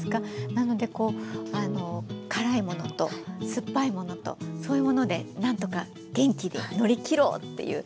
なのでこう辛いものと酸っぱいものとそういうもので何とか元気に乗り切ろう！っていう。